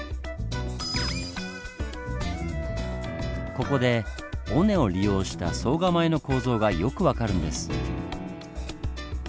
ここで尾根を利用した総構の構造がよく分かるんです。